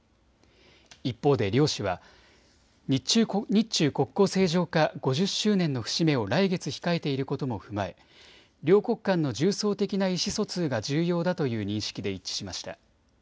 一方で両氏は日中国交正常化５０周年の節目を来月控えていることも踏まえ両国間の重層的な意思疎通が重要だという認識で一致しました。